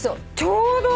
ちょうど！